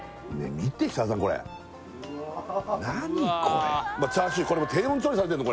見て設楽さんこれ何これチャーシューこれも低温調理されてんの？